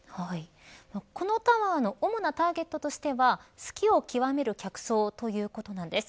このタワーの主なターゲットとしては好きを極める客層ということなんです。